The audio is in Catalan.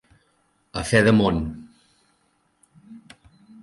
A fe de món.